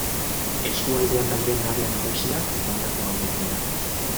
Eskualdean dauden area nagusiak honako hauek dira.